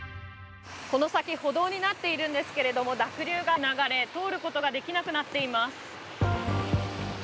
この先、歩道になっているんですけども濁流が流れ、通ることができなくなっています。